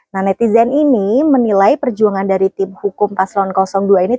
nah netizen ini menilai perjuangan dari tim hukum paslon dua ini